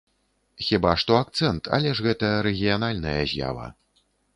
Хіба што акцэнт, але ж гэта рэгіянальная з'ява.